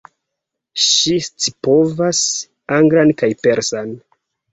Ŝi scipovas anglan kaj persan.